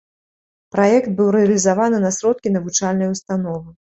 Праект быў рэалізаваны на сродкі навучальнай установы.